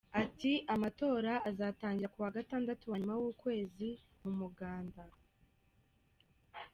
Ati “Amatora azatangira ku wa Gatandatu wa nyuma w’ukwezi mu muganda.